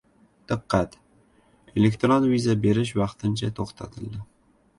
Diqqat! Elektron viza berish vaqtincha to‘xtatildi